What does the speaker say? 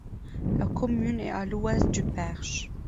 La commune est à l'ouest du Perche.